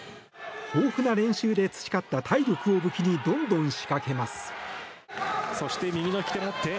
豊富な練習で培った体力を武器にどんどん仕掛けます。